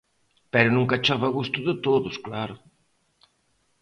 Pero nunca chove a gusto de todos, claro.